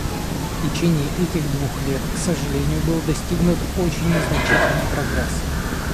В течение этих двух лет, к сожалению, был достигнут очень незначительный прогресс.